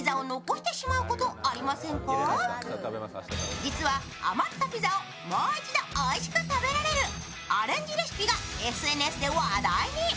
実は余ったピザをもう一度おいしく食べられるアレンジレシピがＳＮＳで話題に。